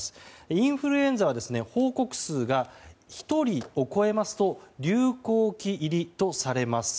インフルエンザは報告数が１人を超えますと流行期入りとされます。